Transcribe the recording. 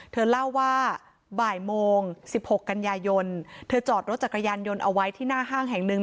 เธอเล่าว่าบ่ายโมง๑๖กันยายนเธอจอดรถจักรยานยนต์เอาไว้ที่หน้าห้างแห่งหนึ่ง